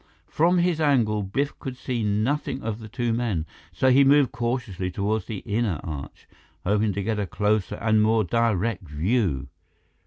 From his angle, Biff could see nothing of the two men, so he moved cautiously toward the inner arch, hoping to get a closer and more direct view.